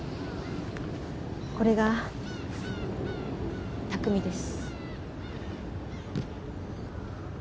これが拓海です